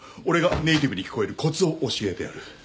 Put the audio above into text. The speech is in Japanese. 俺がネーティブに聞こえるコツを教えてやる。